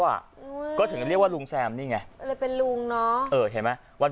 อ่ะก็ถึงเรียกว่าลุงแซมนี่ไงก็เลยเป็นลุงเนอะเออเห็นไหมวัน